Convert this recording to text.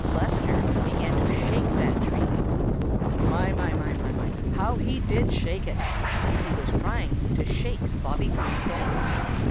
Buster began to shake that tree. My, my, my, how he did shake it! He was trying to shake Bobby Coon down.